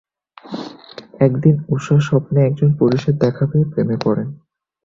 একদিন ঊষা স্বপ্নে একজন পুরুষের দেখা পেয়ে প্রেমে পড়েন।